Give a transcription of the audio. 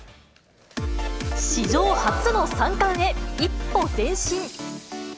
史上初の３冠へ、一歩前進。